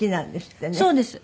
そうです。